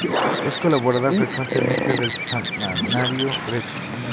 Es colaboradora frecuente del semanario Brecha.